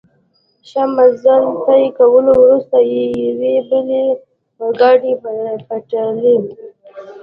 ښه مزل طی کولو وروسته، یوې بلې اورګاډي پټلۍ.